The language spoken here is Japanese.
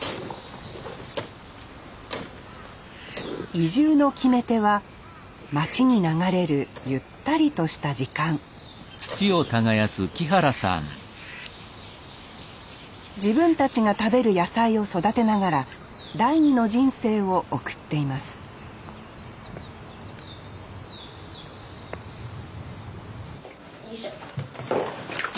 移住の決め手は町に流れるゆったりとした時間自分たちが食べる野菜を育てながら第二の人生を送っていますよいしょ。